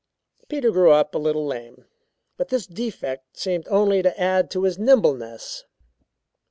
Peter grew up a little lame, but this defect seemed only to add to his nimbleness.